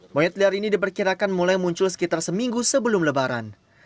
monyet liar ini diperkirakan mulai muncul sekitar seminggu sebelum lebaran